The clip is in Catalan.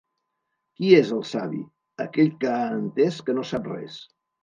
Qui és el savi? Aquell que ha entès que no sap res.